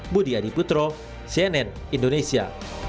budi adiputro cnn indonesia